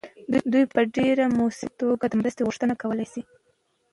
دوی په ډیر مؤثره توګه د مرستې غوښتنه کولی سي.